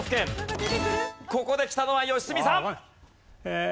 ここできたのは良純さん。